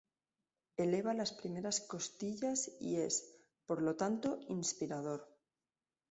Eleva las primeras costillas y es, por lo tanto, inspirador.